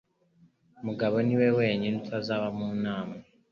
Mugabo niwe wenyine utazaba mu nama.